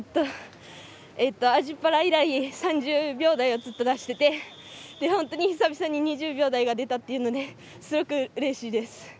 アジパラ以来ずっと３０秒台を出してて本当に久々に２０秒台が出たのですごくうれしいです。